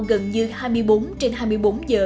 gần như hai mươi bốn trên hai mươi bốn giờ